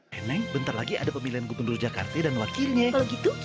saya ikut memilih umur dan wakil untuk berkecantik secara jujur dan menintegritas